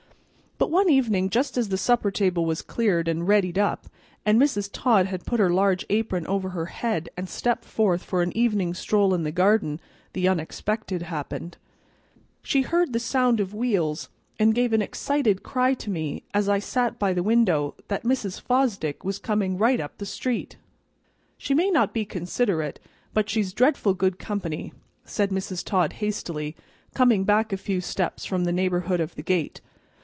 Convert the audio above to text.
But one evening, just as the supper table was cleared and "readied up," and Mrs. Todd had put her large apron over her head and stepped forth for an evening stroll in the garden, the unexpected happened. She heard the sound of wheels, and gave an excited cry to me, as I sat by the window, that Mrs. Fosdick was coming right up the street. "She may not be considerate, but she's dreadful good company," said Mrs. Todd hastily, coming back a few steps from the neighborhood of the gate.